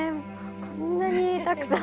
こんなにたくさん。